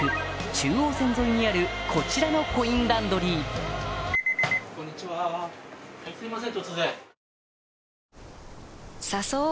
中央線沿いにあるこちらのコインランドリーすいません